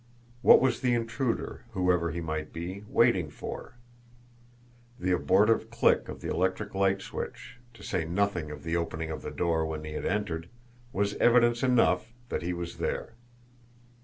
What was the intruder, whoever he might be, waiting for? The abortive click of the electric light switch, to say nothing of the opening of the door when he had entered, was evidence enough that he was there.